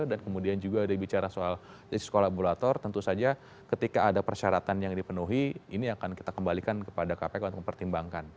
dan kemudian juga ada bicara soal jahat sekolah laborator tentu saja ketika ada persyaratan yang dipenuhi ini akan kita kembalikan kepada kpk untuk mempertimbangkan